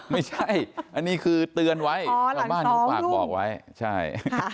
ไม่ใช่อันนี้คือเตือนไว้เจ้าบ้านอยู่ปากบอกไว้